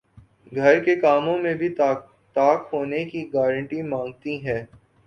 گھر کے کاموں میں بھی طاق ہونے کی گارنٹی مانگتی ہیں